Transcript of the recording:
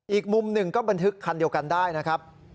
อีกมุมหนึ่งก็บันทึกคันเดียวกันได้นะครับ